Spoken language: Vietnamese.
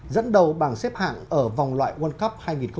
dẫn đầu bằng xếp hạng ở vòng loại world cup hai nghìn hai mươi hai